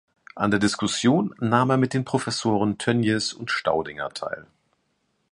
An der Diskussion nahm er mit den Professoren Tönnies und Staudinger teil.